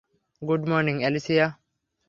Good morning, Alicia.